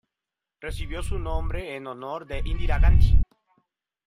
Recibió su nombre en honor de Indira Gandhi.